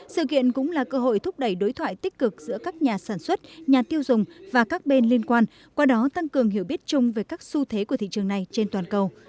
sự kiện cũng là cơ hội thúc đẩy đối thoại tích cực giữa các nhà sản xuất nhà tiêu dùng và các bên liên quan qua đó tăng cường hiểu biết chung về các xu thế của thị trường này trên toàn cầu